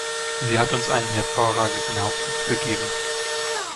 Sie hat uns einen hervorragenden Hauptsitz gegeben.